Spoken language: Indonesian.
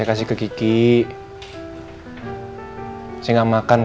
papa mau kamu jadi orang yang lebih baik